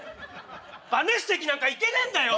馬主席なんか行けねえんだよ！